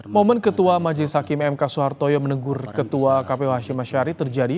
momen ketua majelis hakim mk soehartoyo menegur ketua kpu hashim ashari terjadi